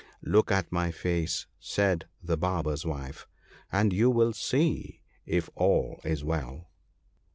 ' Look at my face !' said the Barber's wife, * and you will see if all is well.'